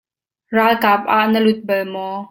Ralkap ah na lut bal maw?